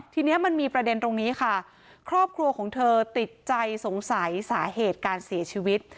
ทีนี้มันมีประเด็นตรงนี้ค่ะครอบครัวของเธอติดใจสงสัยสาเหตุการเสียชีวิต